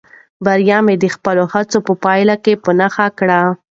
بریا مې د خپلو هڅو په پایله کې په نښه کړه.